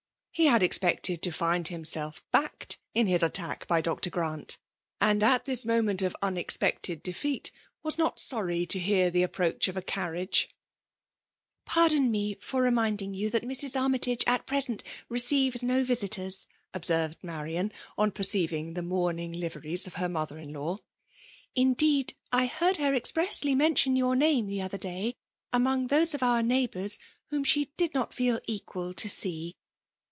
He had ex pected to find himself backed in his attack by Dr. Grrant; and at this moment of un* expected defeat, was not sorry to hear the approach of a carriage. Pardon me for reminding you that Mrs. PBMAur mmmusniOKL 889 AaayiMge at present nomes no lamtoKSf^^ disenred Marion^ on peieeiying the ntoanixng liram of her motfaer^n law. Indeed, I Iieard her expneasly mention your name the elber day among those of our neighboors whom she did not feel equal to see.